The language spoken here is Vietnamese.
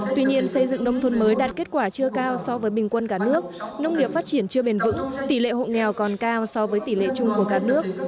tuy nhiên xây dựng nông thôn mới đạt kết quả chưa cao so với bình quân cả nước nông nghiệp phát triển chưa bền vững tỷ lệ hộ nghèo còn cao so với tỷ lệ chung của cả nước